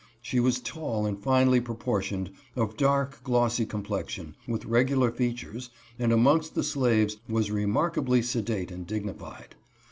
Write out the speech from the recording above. She was tall and finely pro portioned, of dark, glossy complexion, with regular fea tures, and amongst the slaves was remarkably sedate and dignified.